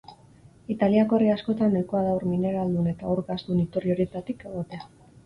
Italiako herri askotan ohikoa da ur mineraladun eta ur gasdun iturri horietako egotea.